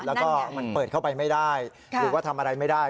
แล้วก็มันเปิดเข้าไปไม่ได้หรือว่าทำอะไรไม่ได้